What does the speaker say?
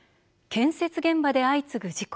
建設現場で相次ぐ事故。